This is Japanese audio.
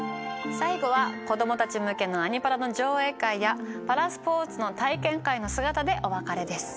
最後は子どもたち向けの「アニ×パラ」の上映会やパラスポーツの体験会の姿でお別れです。